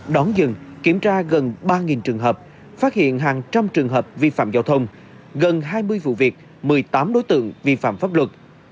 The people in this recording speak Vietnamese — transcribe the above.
đón dừng kiểm tra gần ba trường hợp phát hiện hàng trăm trường hợp vi phạm giao thông gần hai mươi vụ việc một mươi tám đối tượng vi phạm pháp luật